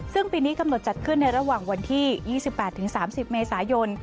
ซึ่งปีนี้กำหนดจัดขึ้นในระหว่างวันที่๒๘๓๐เมษายน